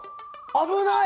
危ない。